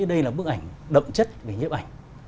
đây là bức ảnh đậm chất về nhiễm ảnh